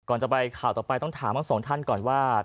ก่อนจะไปข่าวต่อไปต้องถามทั้งสองท่านก่อนว่า